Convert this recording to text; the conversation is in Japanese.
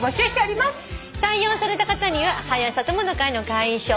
採用された方には「はや朝友の会」の会員証そして。